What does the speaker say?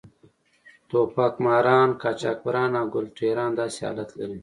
ټوپک ماران، قاچاقبران او ګل ټېران داسې حالت لري.